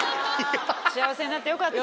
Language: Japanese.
幸せになってよかった。